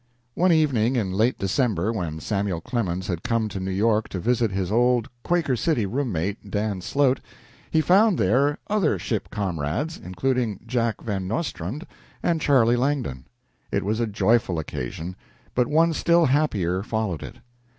One evening in late December when Samuel Clemens had come to New York to visit his old "Quaker City" room mate, Dan Slote, he found there other ship comrades, including Jack Van Nostrand and Charlie Langdon. It was a joyful occasion, but one still happier followed it.